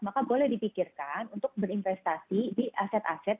maka boleh dipikirkan untuk berinvestasi di aset aset